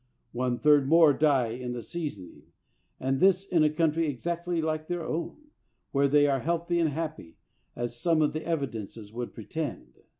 One third more die in the seasoning, and this in a country exactly like their own, where they are healthy and happy, as some of the evidences would pre tend.